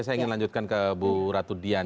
saya ingin lanjutkan ke bu ratu dian